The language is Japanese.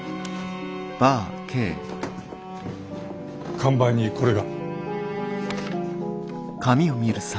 看板にこれが。